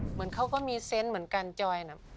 เหมือนเขาก็มีเซนต์เหมือนกันจอยน่ะ